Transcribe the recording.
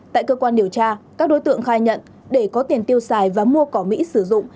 tại cơ quan điều tra các đối tượng khai nhận để có tiền tiêu xài và mua cỏ mỹ sử dụng